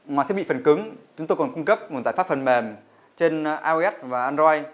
ngoài thiết bị phần cứng chúng tôi còn cung cấp một giải pháp phần mềm trên ios và android